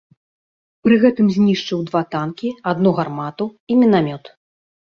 Пры гэтым знішчыў два танкі, адну гармату і мінамёт.